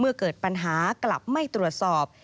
เกิดปัญหากลับไม่ตรวจสอบ